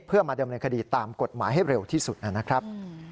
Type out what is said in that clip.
เพื่อมาดำเนินคดีตามกฎหมายให้เร็วที่สุดนะครับ